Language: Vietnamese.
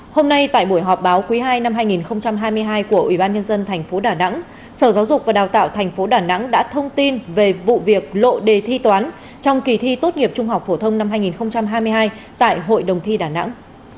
hôm nay tại buổi họp báo quý hai năm hai nghìn hai mươi hai của ubnd tp đà nẵng sở giáo dục và đào tạo tp đà nẵng đã thông tin về vụ việc lộ đề thi toán trong kỳ thi tốt nghiệp trung học phổ thông năm hai nghìn hai mươi hai tại hội đồng thi đà nẵng